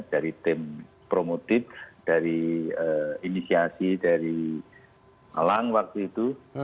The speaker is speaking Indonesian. dari tim promotif dari inisiasi dari malang waktu itu